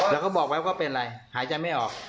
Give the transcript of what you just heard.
แล้วก็บอกไว้ว่าเป็นอะไรหายใจไม่ออก